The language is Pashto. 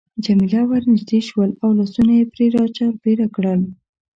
جميله ورنژدې شول او لاسونه يې پرې را چاپېره کړل.